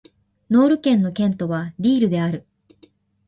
ノール県の県都はリールである